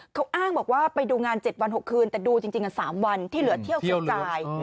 เขาอ้างบอกว่าไปดูงาน๗วัน๖คืนแต่ดูจริง๓วันที่เหลือเที่ยวเสียจ่าย